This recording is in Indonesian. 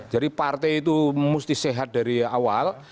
jadi partai itu mesti sehat dari awal